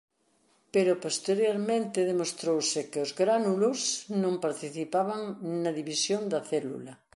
Pero posteriormente demostrouse que os gránulos non participaban na división da célula.